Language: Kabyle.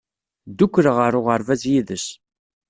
Ddukkleɣ ɣer uɣerbaz yid-s.